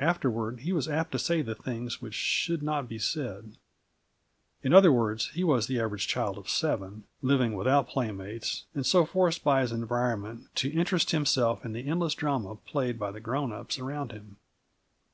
Afterward he was apt to say the things which should not be said; in other words, he was the average child of seven, living without playmates, and so forced by his environment to interest himself in the endless drama played by the grown ups around him.